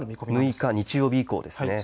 ６日、日曜日以降ですね。